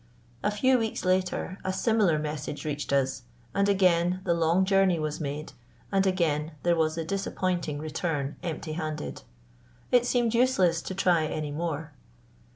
A few weeks later a similar message reached us; and again the long journey was made, and again there was the disappointing return empty handed. It seemed useless to try any more.